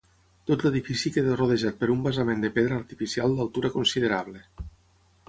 Tot l'edifici queda rodejat per un basament de pedra artificial d'altura considerable.